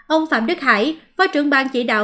ông phạm đức hải phó trưởng bang chỉ đạo